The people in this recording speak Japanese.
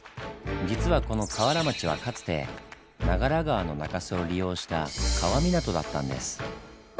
実はこの川原町はかつて長良川の中州を利用した川港だったんです。